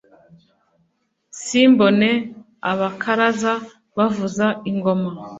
simbone abakaraza bavuza ingoma